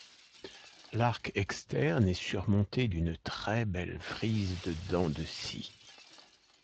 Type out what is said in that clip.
L'arc externe est surmonté d'une très belle frise de dents de scie.